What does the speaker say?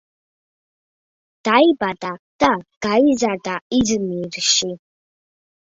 დაიბადა და გაიზარდა იზმირში.